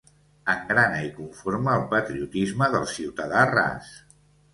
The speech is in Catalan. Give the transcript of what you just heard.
Engrana i conforma el patriotisme del ciutadà ras.